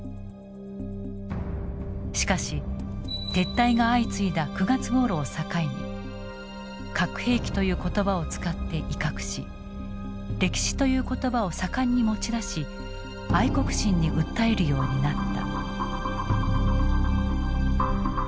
しかし撤退が相次いだ９月ごろを境に「核兵器」という言葉を使って威嚇し「歴史」という言葉を盛んに持ち出し愛国心に訴えるようになった。